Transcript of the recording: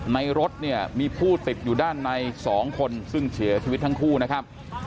รถเนี่ยมีผู้ติดอยู่ด้านใน๒คนซึ่งเสียชีวิตทั้งคู่นะครับ